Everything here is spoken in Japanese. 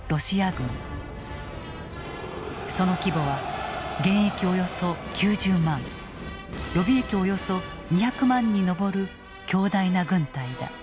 その規模は現役およそ９０万予備役およそ２００万に上る強大な軍隊だ。